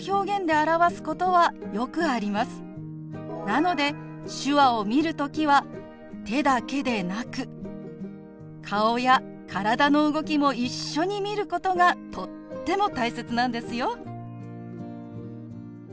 なので手話を見る時は手だけでなく顔や体の動きも一緒に見ることがとっても大切なんですよ。